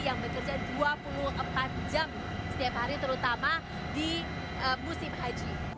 yang bekerja dua puluh empat jam setiap hari terutama di musim haji